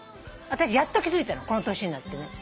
あたしやっと気付いたのこの年になってね。